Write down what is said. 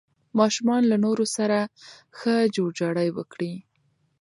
ماشومان له نورو سره ښه جوړجاړی وکړي.